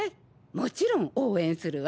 もちろん応援するわ。